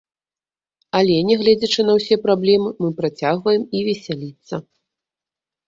Але, нягледзячы на ўсе праблемы, мы працягваем і весяліцца.